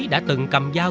đã từng cầm dao